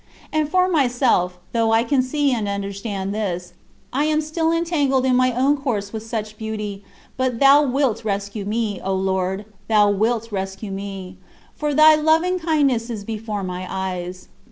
And for myself, though I can see and understand this, I am still entangled in my own course with such beauty, but thou wilt rescue me, O Lord, thou wilt rescue me, "for thy loving kindness is before my eyes."